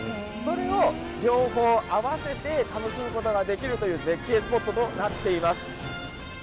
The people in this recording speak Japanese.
それを両方合わせて楽しむことができる絶景スポットとなっています。